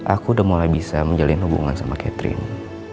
aku udah mulai bisa menjalin hubungan sama catherine